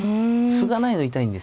歩がないのが痛いんですよね。